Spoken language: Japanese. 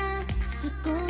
「すっごい